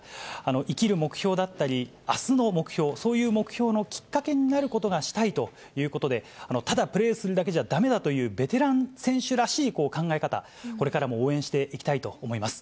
生きる目標だったり、あすの目標、そういう目標のきっかけになることがしたいということで、ただプレーするだけじゃだめだという、ベテラン選手らしい考え方、これからも応援していきたいと思います。